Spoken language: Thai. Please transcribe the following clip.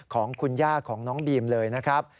ของคุณย่าของน้องบีมเลยนะครับ